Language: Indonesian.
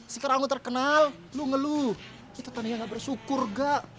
sekarang lo terkenal lo ngeluh itu tanda yang gak bersyukur gak